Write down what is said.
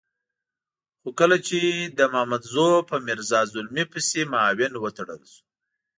خو کله چې د مامدزو په میرزا زلمي پسې معاون وتړل شو.